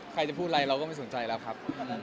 ใครจะพูดอะไรเราก็ไม่สนใจแล้วครับ